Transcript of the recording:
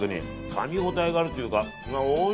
かみ応えがあるというか。